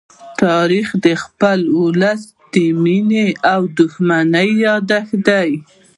تاریخ د خپل ولس د مینې او دښمنۍ يادښت دی.